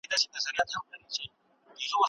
د انګورو په باغ کې سپینې اوبه بهیږي.